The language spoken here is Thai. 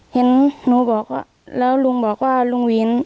เห็นหนูบอกว่าแล้วลุงบอกว่าลุงวิน